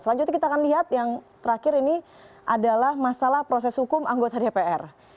selanjutnya kita akan lihat yang terakhir ini adalah masalah proses hukum anggota dpr